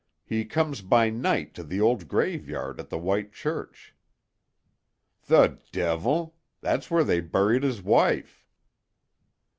He comes by night to the old graveyard at the White Church." "The devil! That's where they buried his wife."